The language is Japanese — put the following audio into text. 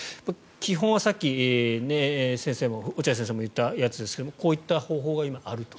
基本はさっき落合先生も言ったやつですがこういった方法が今、あると。